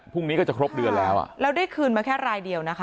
พรุ่งนี้ก็จะครบเดือนแล้วอ่ะแล้วได้คืนมาแค่รายเดียวนะคะ